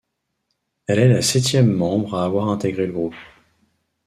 Elle est la septième membre à avoir intégré le groupe.